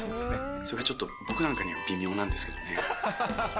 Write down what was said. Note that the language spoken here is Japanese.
それ、ちょっと僕なんかには微妙なんですけどね。